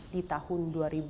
di tahun dua ribu dua puluh